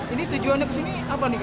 ini tujuannya ke sini apa nih